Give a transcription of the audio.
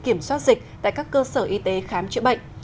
kiểm soát dịch tại các cơ sở y tế khám chữa bệnh